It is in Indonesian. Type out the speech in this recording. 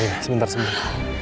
iya iya sebentar sebentar